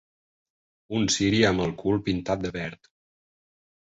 Un ciri amb el cul pintat de verd.